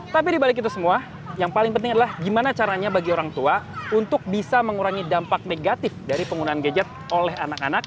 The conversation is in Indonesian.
tapi dibalik itu semua yang paling penting adalah gimana caranya bagi orang tua untuk bisa mengurangi dampak negatif dari penggunaan gadget oleh anak anak